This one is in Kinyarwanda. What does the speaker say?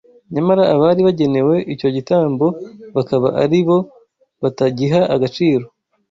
nyamara abari bagenewe icyo gitambo bakaba ari bo batagiha agaciro